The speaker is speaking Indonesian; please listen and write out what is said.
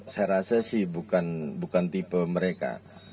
saya rasa sih bukan tipe mereka